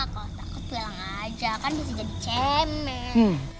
kalau takut bilang aja kan bisa jadi cemen